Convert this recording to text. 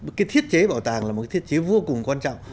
cái thiết chế bảo tàng là một cái thiết chế vô cùng quan trọng